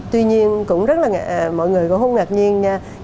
tuy nhiên cũng rất là mọi người cũng không ngạc nhiên